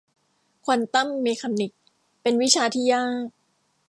ควอนตัมเมคานิคส์ เป็นวิชาที่ยาก